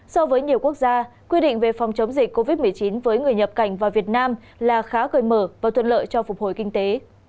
so với nhiều quốc gia quy định về phòng chống dịch covid một mươi chín với người nhập cảnh vào việt nam là khá gợi mở và thuận lợi cho phục hồi kinh tế